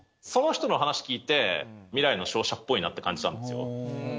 その人の話聞いて、未来の勝者っぽいなって感じたんですよ。